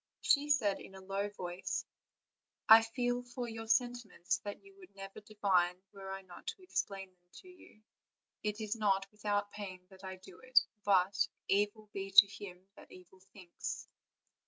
She said in a low voice: "I feel for you sentiments that you would never divine, were I not to explain them to you; it is not without pain that I do it; but 'evil be to him that evil thinks.'